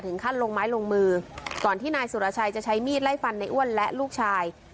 ขั้นลงไม้ลงมือก่อนที่นายสุรชัยจะใช้มีดไล่ฟันในอ้วนและลูกชาย